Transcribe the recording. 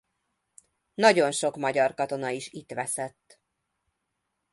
Nagyon sok magyar katona is itt veszett.